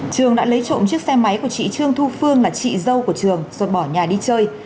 trường đã lấy trộm chiếc xe máy của chị trương thu phương là chị dâu của trường rồi bỏ nhà đi chơi